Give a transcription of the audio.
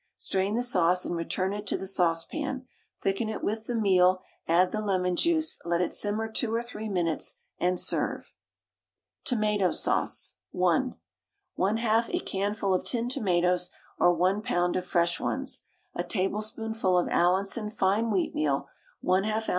Strain the sauce and return it to the saucepan, thicken it with the meal, add the lemon juice, let it simmer 2 or 3 minutes, and serve. TOMATO SAUCE (1). 1/2 a canful of tinned tomatoes or 1 lb. of fresh ones, a tablespoonful of Allinson fine wheatmeal, 1/2 oz.